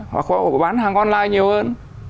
hoặc bán hàng online nhiều hơn